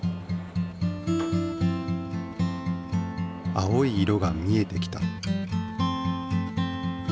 青い色が見えてきた。